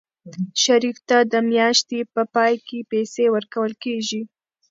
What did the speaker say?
شریف ته د میاشتې په پای کې پیسې ورکول کېږي.